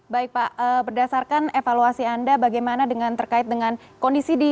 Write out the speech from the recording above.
baik pak berdasarkan evaluasi anda bagaimana terkait dengan kondisi di